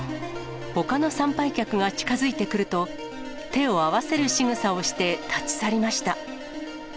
ほかの参拝客が近づいてくると、手を合わせるしぐさをして立ち去りました。